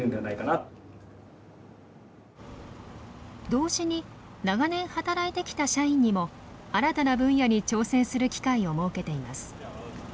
同時に長年働いてきた社員にも新たな分野に挑戦する機会を設けています。